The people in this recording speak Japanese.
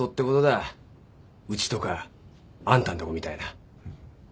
うちとかあんたんとこみたいな